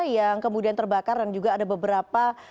yang kemudian terbakar dan juga ada beberapa